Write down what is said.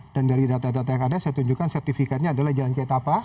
dan dari data data yang ada saya tunjukkan sertifikatnya adalah jalan kiatapa